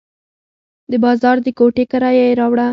د بازار د کوټې کرایه یې راوړه.